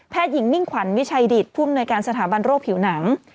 แพทย์หญิงมิ่งขวัญวิชัยดิตภูมิหน่วยการสถาบันโรคผิวหนัง